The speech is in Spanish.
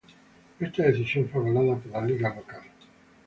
Esta decisión fue avalada por la liga local.